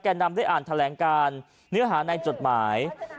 นำได้อ่านแถลงการเนื้อหาในจดหมาย